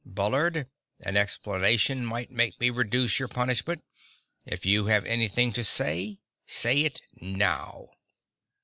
"Bullard, an explanation might make me reduce your punishment. If you have anything to say, say it now!"